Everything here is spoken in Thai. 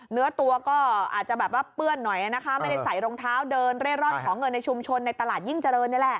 เนื้อตัวก็อาจจะแบบว่าเปื้อนหน่อยนะคะไม่ได้ใส่รองเท้าเดินเร่ร่อนขอเงินในชุมชนในตลาดยิ่งเจริญนี่แหละ